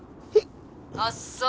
「あっそう。